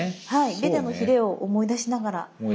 ベタのヒレを思い出しながら。